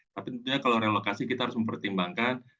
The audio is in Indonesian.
tapi tentunya kalau relokasi kita harus mempertimbangkan